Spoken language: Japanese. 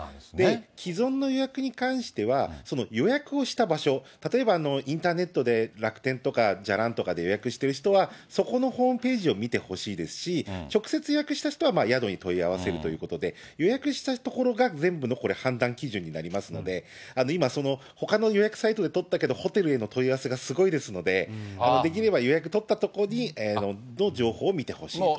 既存の予約に関しては、予約をした場所、例えば、インターネットで楽天とか、じゃらんとかで予約している人は、そこのホームページを見てほしいですし、直接予約した人は、宿に問い合わせるということで、予約したところが全部のこれ、判断基準になりますので、今、そのほかの予約サイトで取ったけど、ホテルへの問い合わせがすごいですので、できれば予約取ったところの情報を見てほしいと。